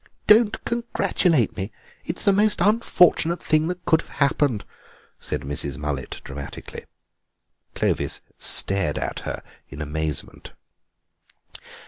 "Don't congratulate me. It's the most unfortunate thing that could have happened!" said Mrs. Mullet dramatically. Clovis stared at her in amazement.